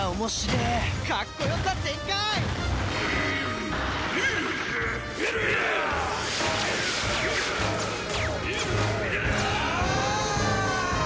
えっ！？